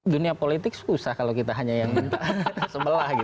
dunia politik susah kalau kita hanya yang minta sebelah